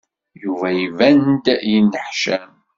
Yuba iban-d yenneḥcam.